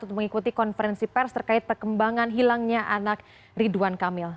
untuk mengikuti konferensi pers terkait perkembangan hilangnya anak ridwan kamil